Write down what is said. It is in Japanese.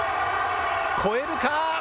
越えるか。